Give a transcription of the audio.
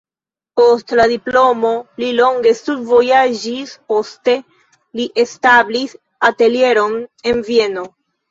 Post la diplomo li longe studvojaĝis, poste li establis atelieron en Vieno.